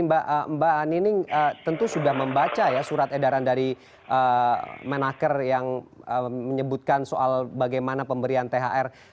mbak nining tentu sudah membaca ya surat edaran dari menaker yang menyebutkan soal bagaimana pemberian thr